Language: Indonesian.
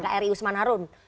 kri usman harun